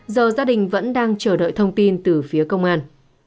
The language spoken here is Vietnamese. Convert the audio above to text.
giờ gia đình vẫn đang chờ đợi thông tin từ phía công an